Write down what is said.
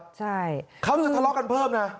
ใช่เขาจะทะเลาะกันเพิ่มนะ